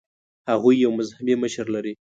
هغوی یو مذهبي مشر لري.